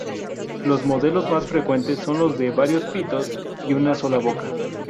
Los modelos más frecuentes son los de varios pitos y una sola boca.